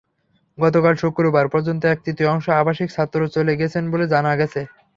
গতকাল শুক্রবার পর্যন্ত এক-তৃতীয়াংশ আবাসিক ছাত্র চলে গেছেন বলে জানা গেছে।